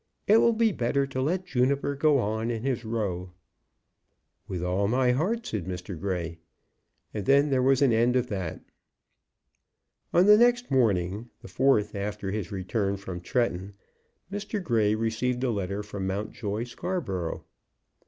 It will be better to let Juniper go on in his row." "With all my heart," said Mr. Grey. And then there was an end of that. On the next morning, the fourth after his return from Tretton, Mr. Grey received a letter from Mountjoy Scarborough.